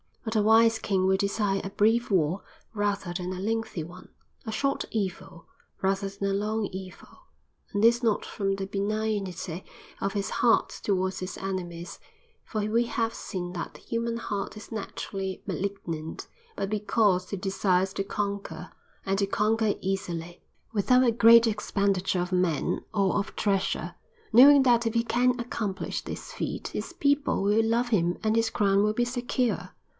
But a wise king will desire a brief war rather than a lengthy one, a short evil rather than a long evil. And this not from the benignity of his heart towards his enemies, for we have seen that the human heart is naturally malignant, but because he desires to conquer, and to conquer easily, without a great expenditure of men or of treasure, knowing that if he can accomplish this feat his people will love him and his crown will be secure.